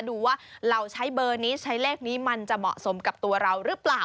ดูว่าเราใช้เบอร์นี้ใช้เลขนี้มันจะเหมาะสมกับตัวเราหรือเปล่า